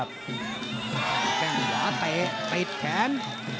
เจ้งหวาไปจ์แขน